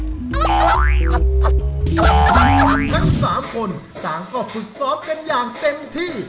ทั้ง๓คนต่างก็ฝึกซ้อมกันอย่างเต็มที่